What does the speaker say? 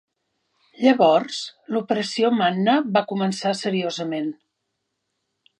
Llavors l'Operació Manna va començar seriosament.